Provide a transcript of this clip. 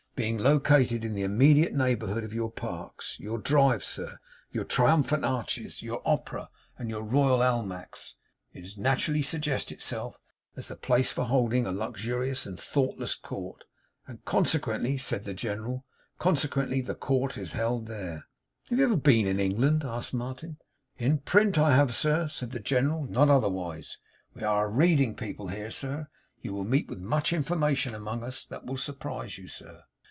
Being located in the immediate neighbourhood of your Parks, your Drives, your Triumphant Arches, your Opera, and your Royal Almacks, it nat'rally suggests itself as the place for holding a luxurious and thoughtless court. And, consequently,' said the General, 'consequently, the court is held there.' 'Have you been in England?' asked Martin. 'In print I have, sir,' said the General, 'not otherwise. We air a reading people here, sir. You will meet with much information among us that will surprise you, sir.